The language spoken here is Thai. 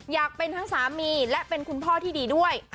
อยากเป็นทั้งสามีและเป็นคุณพ่อที่ดีด้วย